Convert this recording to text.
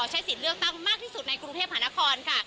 ใช้สิทธิ์เลือกตั้งมากที่สุดในกรุงเทพหานครค่ะ